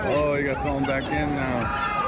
อ่ามันมากแล้ว